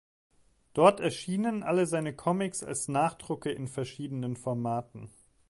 Dort erschienen alle seine Comics als Nachdrucke in verschiedenen Formaten.